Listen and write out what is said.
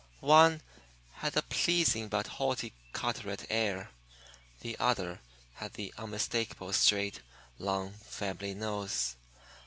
One had the pleasing but haughty Carteret air; the other had the unmistakable straight, long family nose.